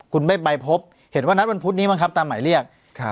คุณไม่ไปพบเห็นว่านัดวันพุธนี้บ้างครับตามหมายเรียก